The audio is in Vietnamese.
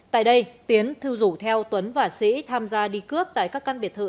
tại đây tiến thư rủ theo tuấn và sĩ tham gia đi cướp tại các căn biệt thự